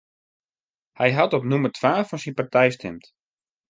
Hy hat op nûmer twa fan syn partij stimd.